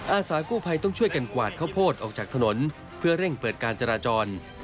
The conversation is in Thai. อาสากู้ภัยต้องช่วยกันกวาดข้าวโพดออกจากถนนเพื่อเร่งเปิดการจราจร